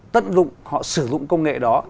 tận dụng họ sử dụng công nghệ đó